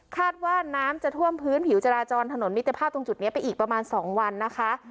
ว่าน้ำจะท่วมพื้นผิวจราจรถนนมิตรภาพตรงจุดนี้ไปอีกประมาณ๒วันนะคะ